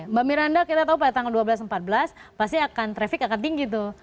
mbak miranda kita tahu pada tanggal dua belas empat belas pasti akan traffic akan tinggi tuh